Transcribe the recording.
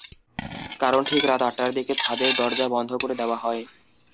কারণ, ঠিক রাত আটটার দিকে ছাদের দরজা বন্ধ করে দেওয়া হয়।